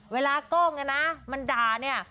เวลากล้องนะมันด่าเนี่ย